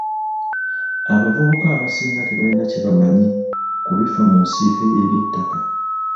Abavubuka abasinga tebalina kye bamanyi ku bifa mu nsiike y'eby'ettaka.